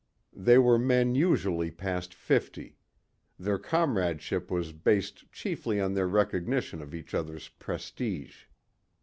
They were men usually past fifty. Their comradeship was based chiefly on their recognition of each other's prestige.